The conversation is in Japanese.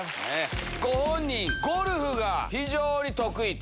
ご本人、ゴルフが非常に得意と。